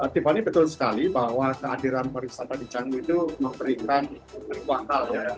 tiffany betul sekali bahwa kehadiran perusahaan di canggu itu memberikan kekuatan